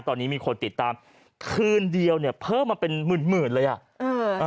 ตอนนี้มีคนติดตามคืนเดียวเนี่ยเพิ่มมาเป็นหมื่นหมื่นเลยอ่ะเออ